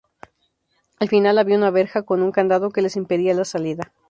Al final había una verja con un candado que les impedía la salida.